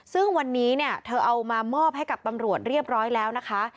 ซึ่งวันนี้เนี่ยเธอเอามามอบให้กับตำรวจเรียบร้อยแล้วนะคะ